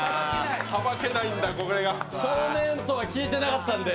少年とは聞いてなかったんで。